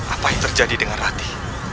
apa yang terjadi dengan hati